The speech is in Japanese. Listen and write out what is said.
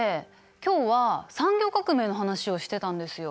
今日は産業革命の話をしてたんですよ。